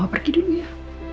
mama pergi dulu ya